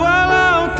engkau jauh di situ